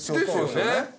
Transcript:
ですよね。